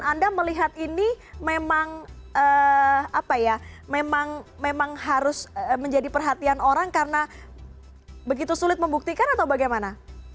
anda melihat ini memang harus menjadi perhatian orang karena begitu sulit membuktikan atau bagaimana